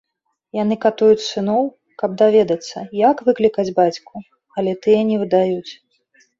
Яны катуюць сыноў, каб даведацца, як выклікаць бацьку, але тыя не выдаюць.